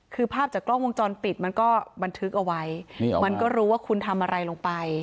คือภาพจากกล้องวงจรปิดมันก็บันทึกเอาไว้มันก็รู้ว่าคุณทำอะไรลงไป